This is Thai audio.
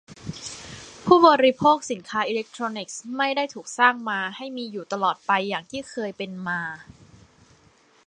ผู้บริโภคสินค้าอิเลคโทรนิกส์ไม่ได้ถูกสร้างมาให้มีอยู่ตลอดไปอย่างที่เคยเป็นมา